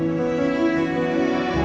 oh udah deh ma